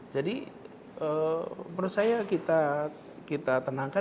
jadi menurut saya kita tenangkan